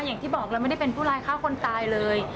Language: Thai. อย่างที่บอกแล้วไม่ได้เป็นผู้ร้ายฆ่าคนตายเลย